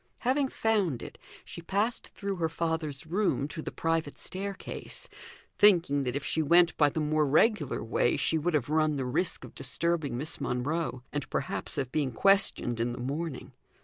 Having found it, she passed through her father's room to the private staircase, thinking that if she went by the more regular way, she would have run the risk of disturbing Miss Monro, and perhaps of being questioned in the morning.